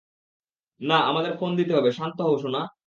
না, আমাদের ফোন দিতে হবে-- - শান্ত হও, সোনা!